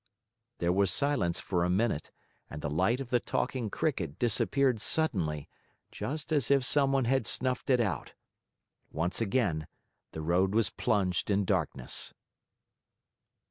There was silence for a minute and the light of the Talking Cricket disappeared suddenly, just as if someone had snuffed it out. Once again the road was plunged in darkness.